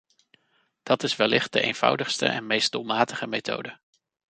Dat is wellicht de eenvoudigste en meest doelmatige methode.